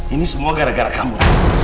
ini semua gara gara kamu